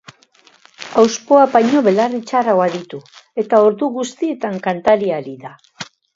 Hauspoak baino belarri txarragoak ditu eta ordu guztietan kantari ari da.